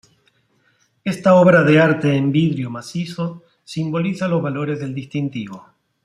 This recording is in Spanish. Esta obra de arte en vidrio macizo simboliza los valores del distintivo.